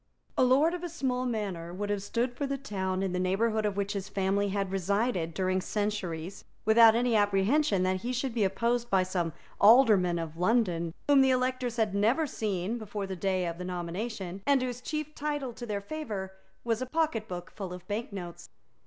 A lord of a small manor would have stood for the town in the neighbourhood of which his family had resided during centuries, without any apprehension that he should be opposed by some alderman of London, whom the electors had never seen before the day of nomination, and whose chief title to their favour was a pocketbook full of bank notes.